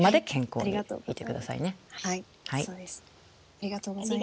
ありがとうございます。